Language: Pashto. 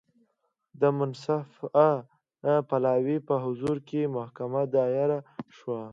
د منصفه پلاوي په حضور کې محکمه دایره شوه.